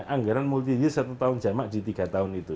anggaran multi year satu tahun jamak di tiga tahun itu